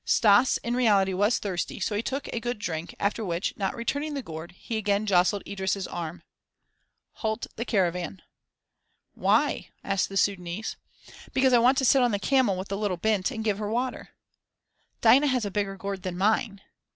Stas in reality was thirsty, so he took a good drink, after which, not returning the gourd, he again jostled Idris' arm. "Halt the caravan." "Why?" asked the Sudânese. "Because I want to sit on the camel with the little 'bint' and give her water." "Dinah has a bigger gourd than mine."